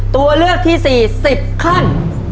ตัวเลือกที่๔๑๐ขั้น